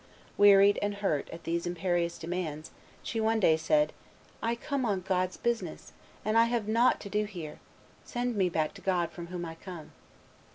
Wearied and hurt at these imperious demands, she one day said, "I come on God's business, and I have nought to do here; send me back to God, from whom I come."